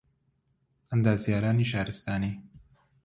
ئەندازیارانی شارستانی